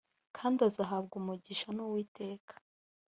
kandi azahabwa umugisha n’uwiteka